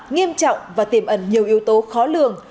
nghiêm trọng và tiềm ẩn nhiều yếu tố khó lường